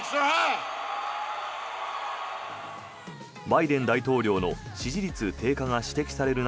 バイデン大統領の支持率低下が指摘される